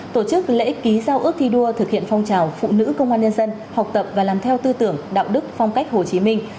tổ chức lễ ký giao ước thi đua thực hiện phong trào phụ nữ công an nhân dân học tập và làm theo tư tưởng đạo đức phong cách hồ chí minh